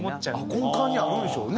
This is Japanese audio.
根幹にあるんでしょうね。